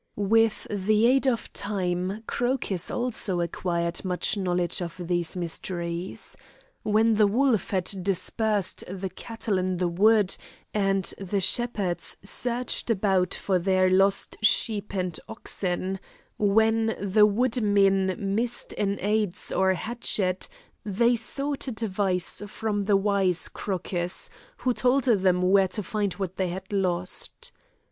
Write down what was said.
With the aid of time, Crocus also acquired much knowledge of these mysteries. When the wolf had dispersed the cattle in the wood, and the shepherds searched about for their lost sheep and oxen; when the woodmen missed an adze or a hatchet, they sought advice from the wise Crocus, who told them where to find what they had lost.